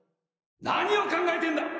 何を考えてんだっ！